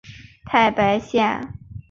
太白线